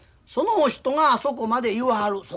そのお人があそこまで言わはる。